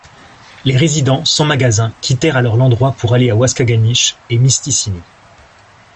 Les résidents, sans magasin, quittèrent alors l'endroit pour aller à Waskaganish et Mistissini.